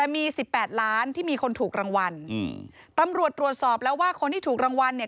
มีคนถูกรางวัลอืมตำรวจตรวจสอบแล้วว่าคนที่ถูกรางวัลเนี่ย